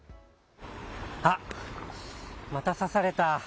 あっ、また刺された。